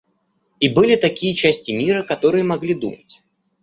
И были такие части мира, которые могли думать.